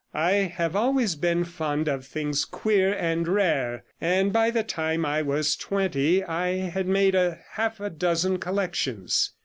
I have always been fond of things queer and rare, and by the time I was twenty I had made half a dozen collections.